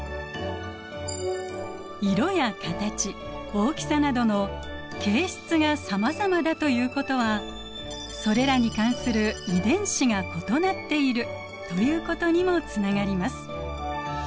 色や形大きさなどの形質がさまざまだということはそれらに関する遺伝子が異なっているということにもつながります。